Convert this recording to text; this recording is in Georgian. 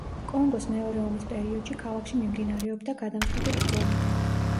კონგოს მეორე ომის პერიოდში ქალაქში მიმდინარეობდა გადამწყვეტი ბრძოლები.